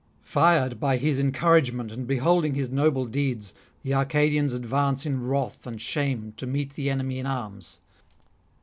Fired by his encouragement, and beholding his noble deeds, the Arcadians advance in wrath and shame to meet the enemy in arms.